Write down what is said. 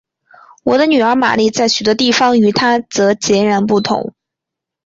我的女儿玛丽在许多方面与她则截然不同。